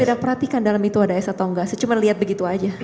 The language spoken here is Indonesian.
tidak perhatikan dalam itu ada es atau enggak saya cuma lihat begitu aja